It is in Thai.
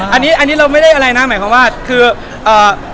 อันนี้เราไม่ได้อำนาจ